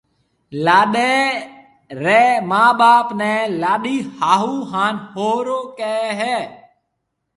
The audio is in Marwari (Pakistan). لاڏيَ ريَ مان ٻاپ نَي لاڏيِ هاهوُ هانَ هوُرو ڪهيَ هيَ۔